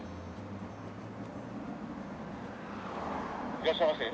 「いらっしゃいませ」